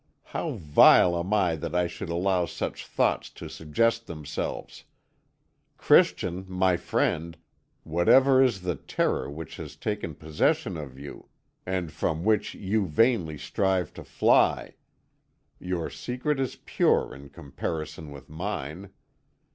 How vile am I that I should allow such thoughts to suggest themselves! Christian, my friend, whatever is the terror which has taken possession of you, and from which you vainly strive to fly, your secret is pure in comparison with mine.